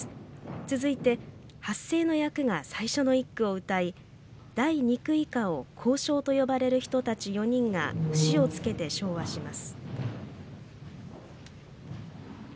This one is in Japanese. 続いて発声の役が最初の一句をうたい第二句以下を講頌と呼ばれる人たち４人が節をつけて唱和します。